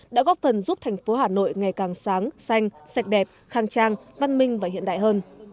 đã góp phần giúp thành phố hà nội ngày càng sáng xanh sạch đẹp khang trang văn minh và hiện đại hơn